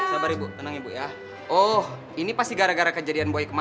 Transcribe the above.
terus gimana pak istri saya ketepuk